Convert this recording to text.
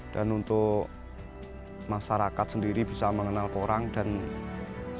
dan untuk masyarakat sendiri bisa mengenal porang dan saya bisa bermain porang di situ